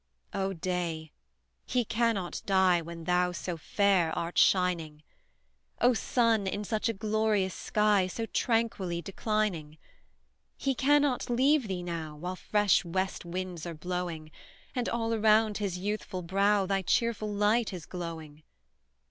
"O day! he cannot die When thou so fair art shining! O Sun, in such a glorious sky, So tranquilly declining; He cannot leave thee now, While fresh west winds are blowing, And all around his youthful brow Thy cheerful light is glowing!